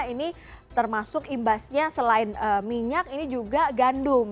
ini termasuk imbasnya selain minyak ini juga gandum